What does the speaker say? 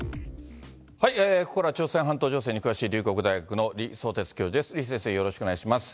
ここからは朝鮮半島情勢に詳しい、龍谷大学の李相哲教授です。